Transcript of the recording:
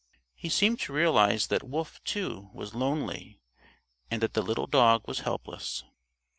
He seemed to realize that Wolf, too, was lonely and that the little dog was helpless.